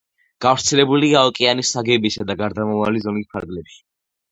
გავრცელებულია ოკეანის საგებისა და გარდამავალი ზონის ფარგლებში.